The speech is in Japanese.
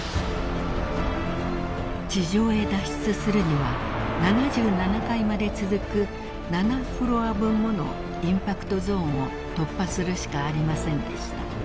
［地上へ脱出するには７７階まで続く７フロア分ものインパクトゾーンを突破するしかありませんでした］